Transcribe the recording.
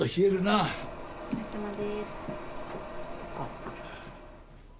あっ。